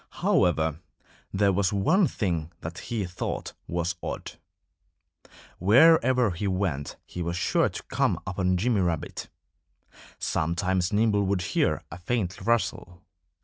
However, there was one thing that he thought was odd. Wherever he went he was sure to come upon Jimmy Rabbit. Sometimes Nimble would hear a faint rustle.